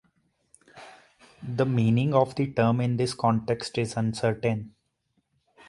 The meaning of the term in this context is uncertain.